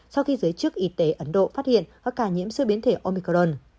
sau khi giới chức y tế ấn độ phát hiện có ca nhiễm sư biến thể omicron